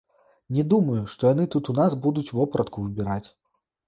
Не думаю, што яны тут у нас будуць вопратку выбіраць.